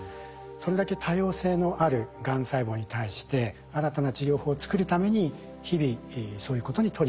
それだけ多様性のあるがん細胞に対して新たな治療法を作るために日々そういうことに取り組む。